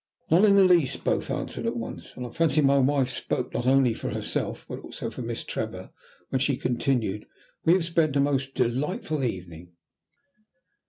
"Not in the least," both answered at once, and I fancy my wife spoke not only for herself but also for Miss Trevor when she continued, "we have spent a most delightful evening."